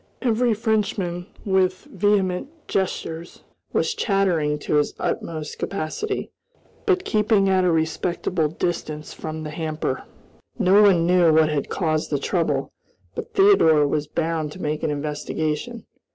Every Frenchman, with vehement gestures, was chattering to his utmost capacity, but keeping at a respectful distance from the hamper. No one knew what had caused the trouble; but Theodore was bound to make an investigation.